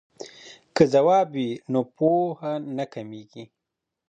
که ځواب وي نو پوهه نه کمېږي.